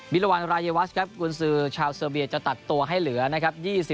วิลวัณรายวัชครับวุฒิชาวเซลเบียจะตัดตัวให้เหลือนะครับ